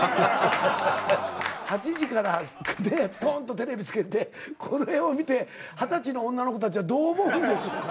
８時からぽんっとテレビつけてこれを見て二十歳の女の子たちはどう思うんでしょう？